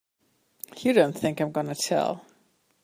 You don't think I'm gonna tell!